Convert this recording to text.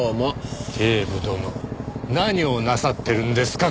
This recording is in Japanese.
警部殿何をなさってるんですか？